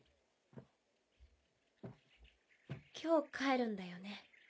今日帰るんだよね？